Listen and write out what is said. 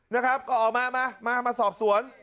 นะครับก็ออกมามามาสอบสวน